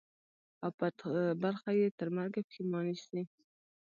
او په برخه یې ترمرګه پښېماني سي.